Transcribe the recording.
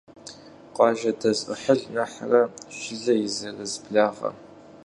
Къуажэ дэз Ӏыхьлы нэхърэ жылэ и зэрыз благъэ.